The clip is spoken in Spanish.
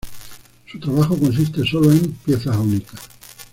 Su trabajo consiste sólo en piezas únicas.